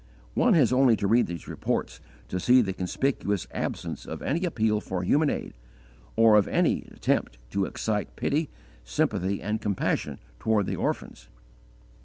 One has only to read these reports to see the conspicuous absence of any appeal for human aid, or of any attempt to excite pity, sympathy and compassion toward the orphans.